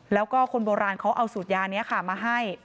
แล้วก็คนโบราณเขาเอาสูตรยานี้ค่ะมาให้